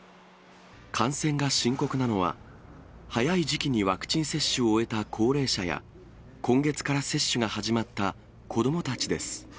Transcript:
感染が深刻なのは、早い時期にワクチン接種を終えた高齢者や、今月から接種が始まった子どもたちです。